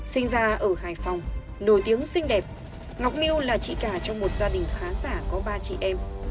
sinh ra ở hải phòng nổi tiếng xinh đẹp ngọc miu là chị cả trong một gia đình khá giả có ba chị em